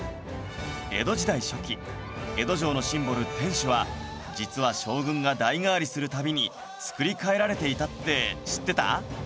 江戸時代初期江戸城のシンボル天守は実は将軍が代替わりするたびに造り替えられていたって知ってた？